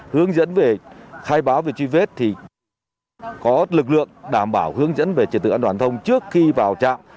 hướng dẫn về khai báo về truy vết thì có lực lượng đảm bảo hướng dẫn về trật tự an toàn thông trước khi vào trạm